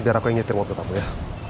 biar aku yang nyetir mobil kamu ya